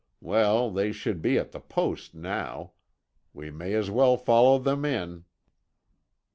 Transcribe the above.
Well, they should be at the post now. We may as well follow them in."